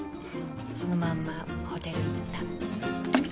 そのまんまホテル行った。